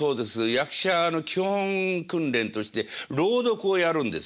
役者の基本訓練として朗読をやるんです。